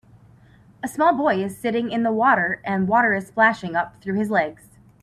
A small boy is sitting in the water and water is splashing up through his legs.